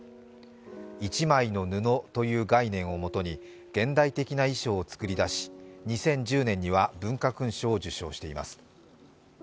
一枚の布という概念をもとに現代的な衣装を作り出し、２０１０年には文化勲章を受章しています。